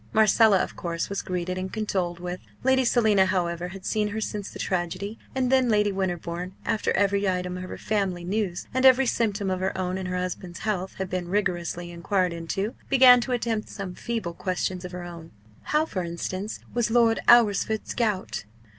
Marcella, of course, was greeted and condoled with Lady Selina, however, had seen her since the tragedy and then Lady Winterbourne, after every item of her family news, and every symptom of her own and her husband's health had been rigorously enquired into, began to attempt some feeble questions of her own how, for instance, was Lord Alresford's gout?